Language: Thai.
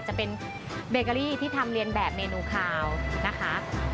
จะเป็นเบเกอรี่ที่ทำเรียนแบบเมนูคาวนะคะ